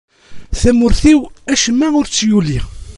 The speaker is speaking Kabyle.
Tamurt-iw, acemma ur tt-yuli.